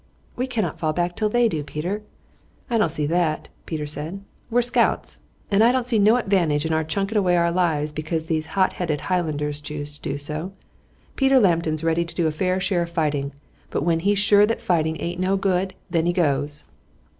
"We cannot fall back till they do, Peter." "I don't see that," Peter said. "We're scouts, and I don't see no advantage in our chucking away our lives because these hot headed Highlanders choose to do so. Peter Lambton's ready to do a fair share of fighting, but when he's sure that fighting aint no good, then he goes."